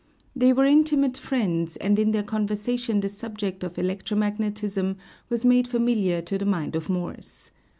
They were intimate friends, and in their conversation the subject of electro magnetism was made familiar to the mind of Morse.